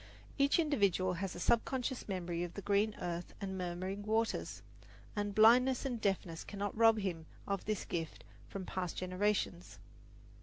Each individual has a subconscious memory of the green earth and murmuring waters, and blindness and deafness cannot rob him of this gift from past generations.